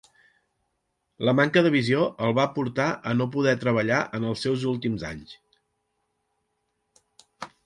La manca de visió el va portar a no poder treballar en els seus últims anys.